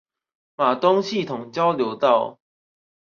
瑪東系統交流道